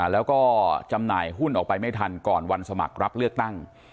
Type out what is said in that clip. แล้วก็จำหน่ายหุ้นออกไปไม่ทันก่อนวันสมัครรับเลือกตั้ง